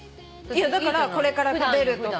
いやだからこれから食べるとか。